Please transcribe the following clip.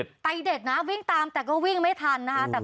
ใจเด็ดนะวิ่งตามแต่ก็วิ่งไม่ทันนะคะ